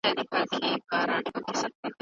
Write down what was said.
کوم شی خلک یو له بل سره نښلوي؟